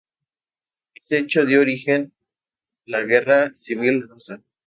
Este hecho dio origen la Guerra civil rusa.